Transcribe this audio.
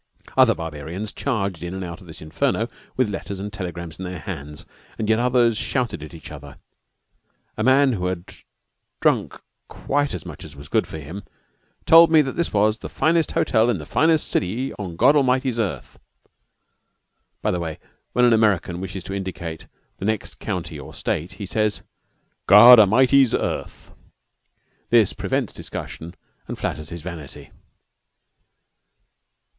Other barbarians charged in and out of this inferno with letters and telegrams in their hands, and yet others shouted at each other. A man who had drunk quite as much as was good for him told me that this was "the finest hotel in the finest city on God Almighty's earth." By the way, when an American wishes to indicate the next country or state, he says, "God A'mighty's earth." This prevents discussion and flatters his vanity.